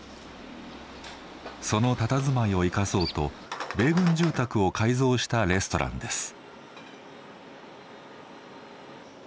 そのたたずまいを生かそうと米軍住宅を改造したレストランです。